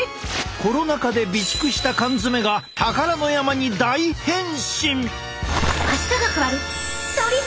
コロナ禍で備蓄した缶詰が宝の山に大変身。